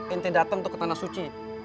ente datang ke tanah suci